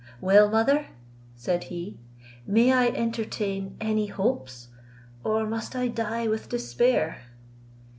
"Well, mother," said he, "may I entertain any hopes, or must I die with despair?"